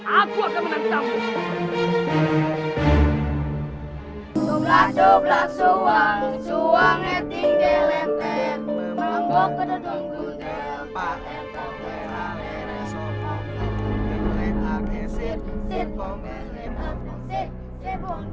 aku akan menangkapmu